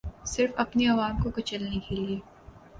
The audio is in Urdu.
صرف اپنی عوام کو کچلنے کیلیے